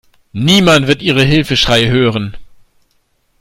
Niemand wird Ihre Hilfeschreie hören.